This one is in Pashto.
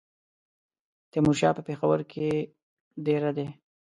تیمورشاه په پېښور کې دېره دی.